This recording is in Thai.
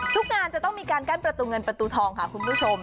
งานจะต้องมีการกั้นประตูเงินประตูทองค่ะคุณผู้ชม